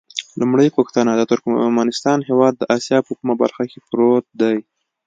لومړۍ پوښتنه: د ترکمنستان هېواد د اسیا په کومه برخه کې پروت دی؟